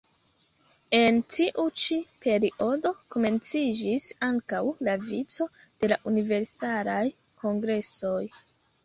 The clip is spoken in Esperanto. En tiu ĉi periodo komenciĝis ankaŭ la vico de la Universalaj Kongresoj.